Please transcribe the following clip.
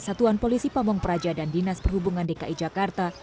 satuan polisi pamung praja dan dinas perhubungan dki jakarta